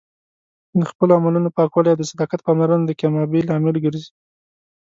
د خپلو عملونو پاکوالی او د صداقت پاملرنه د کامیابۍ لامل ګرځي.